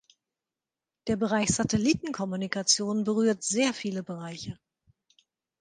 Der Bereich Satellitenkommunikation berührt sehr viele Bereiche.